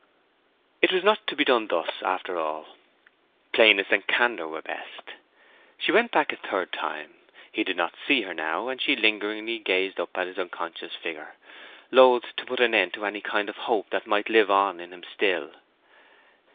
It was not to be done thus, after all: plainness and candor were best. She went back a third time; he did not see her now, and she lingeringly gazed up at his unconscious figure, loath to put an end to any kind of hope that might live on in him still.